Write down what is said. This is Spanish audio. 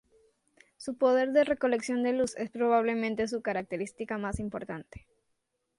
Su poder de recolección de luz es probablemente su característica más importante.